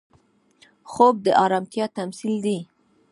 خوب د ارامتیا تمثیل دی